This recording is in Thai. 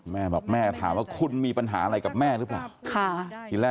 แม่บอกแม่ถามว่าคุณมีปัญหาอะไรกับแม่หรือเปล่า